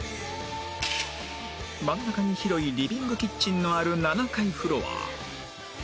真ん中に広いリビングキッチンのある７階フロア